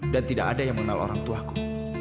dan tidak ada yang mengenal orangtuaku